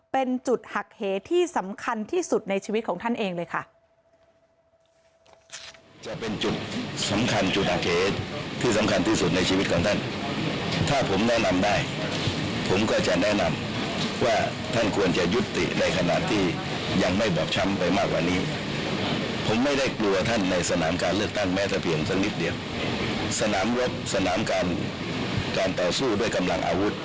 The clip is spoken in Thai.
เป็นจุดหักเหที่สำคัญที่สุดในชีวิตของท่านเองเลยค่ะ